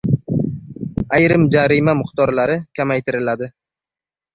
Ayrim jarima miqdorlari kamaytiriladi